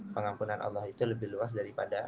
pengampunan allah itu lebih luas daripada